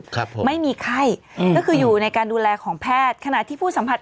ครับผมไม่มีไข้อืมก็คืออยู่ในการดูแลของแพทย์ขณะที่ผู้สัมผัส